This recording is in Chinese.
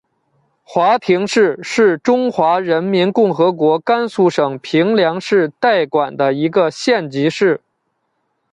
华亭市是中华人民共和国甘肃省平凉市代管的一个县级市。